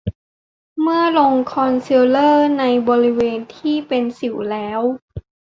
เมื่อลงคอนซีลเลอร์ในบริเวณที่เป็นสิวแล้ว